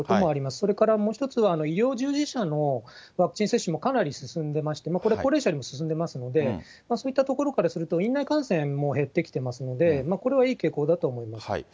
それからもう一つは、医療従事者のワクチン接種もかなり進んでおりまして、これ、高齢者にも進んでいますので、そういったところからすると、院内感染も減ってきてますので、これはいい傾向だと思います。